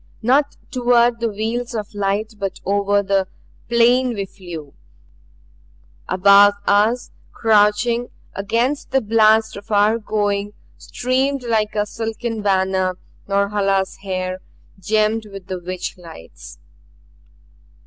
Not toward the veils of light but out over the plain we flew. Above us, crouching against the blast of our going, streamed like a silken banner Norhala's hair, gemmed with the witch lights.